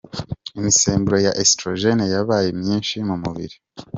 Imisemburo ya Estrogen yabaye myinshi mu mubiri.